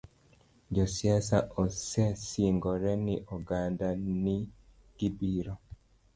Josiasa osesingore ne oganda ni gibiro